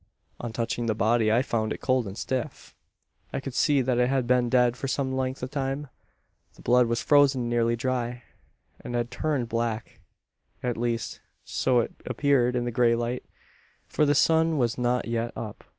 "On touching the body, I found it cold and stiff. I could see that it had been dead for some length of time. The blood was frozen nearly dry; and had turned black. At least, so it appeared in the grey light: for the sun was not yet up.